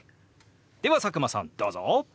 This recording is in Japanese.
では佐久間さんどうぞ。